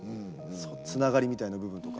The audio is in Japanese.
つながりみたいな部分とか。